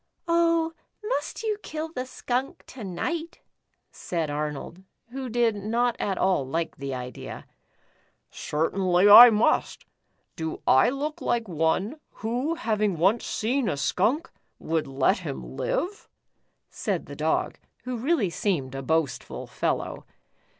"Oh, must you kill the skunk to night?" said Arnold, who did not at all like the idea. " Certainly, I must. Do I look like one, who having once seen a skunk, would let him live?" said the Dog, who really seemed a boastful fellow.